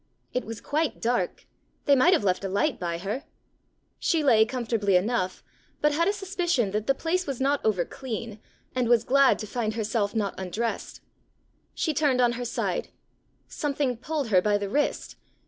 It was quite dark: they might have left a light by her! She lay comfortably enough, but had a suspicion that the place was not over clean, and was glad to find herself not undrest. She turned on her side: something pulled her by the wrist.